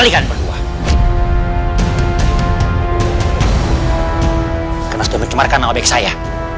karena sudah mencemarkan nama baik saya